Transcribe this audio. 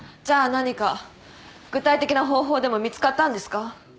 じゃあ何か具体的な方法でも見つかったんですか？